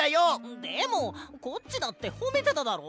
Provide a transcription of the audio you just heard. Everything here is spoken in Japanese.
でもコッチだってほめてただろ！